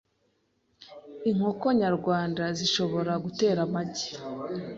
inkoko za kinyarwanda zishobora gutera amagi